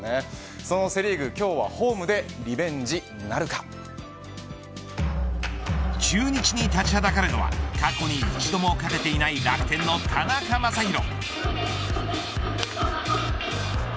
そのセ・リーグ、ホームで中日に立ちはだかるのは過去に一度も勝てていない楽天の田中将大。